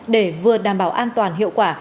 để vừa đảm bảo an toàn hiệu quả